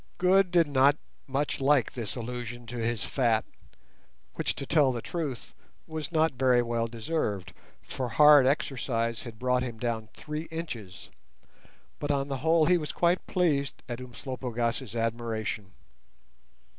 Good did not much like this allusion to his fat, which, to tell the truth, was not very well deserved, for hard exercise had brought him down three inches; but on the whole he was pleased at Umslopogaas's admiration.